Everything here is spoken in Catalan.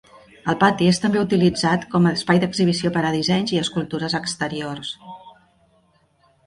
El pati és també utilitzat com a espai d'exhibició per a dissenys i escultures exteriors.